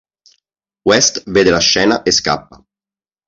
West vede la scena e scappa.